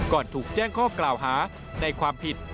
ถูกแจ้งข้อกล่าวหาในความผิด